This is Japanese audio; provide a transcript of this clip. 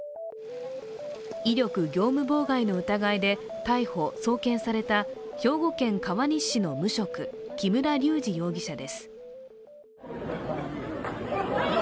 威力業務妨害の疑いで逮捕・送検された兵庫県川西市の無職木村隆二容疑者です。